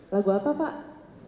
lagu apa pak